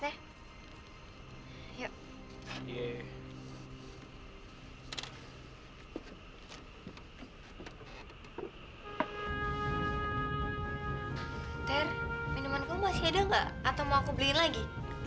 ter minuman kamu masih ada nggak atau mau aku beliin lagi